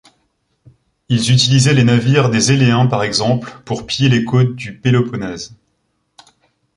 Ils utilisaient les navires des Éléens par exemple pour piller les côtes du Péloponnèse.